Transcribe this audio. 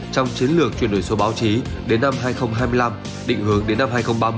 trong chiến lược chuyển đổi số báo chí đến năm hai nghìn hai mươi năm định hướng đến năm hai nghìn ba mươi